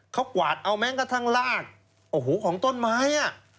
เขากวาดเอาแม้งกระทั่งลากโอ้โหของต้นไม้